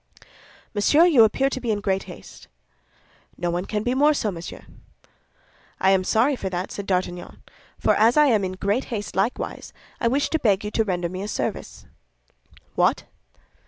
"Monsieur, you appear to be in great haste?" "No one can be more so, monsieur." "I am sorry for that," said D'Artagnan; "for as I am in great haste likewise, I wish to beg you to render me a service." "What?"